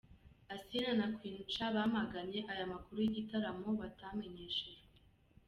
Asinah na Queen Cha bamaganye aya makuru y'igitaramo batamenyeshejwe.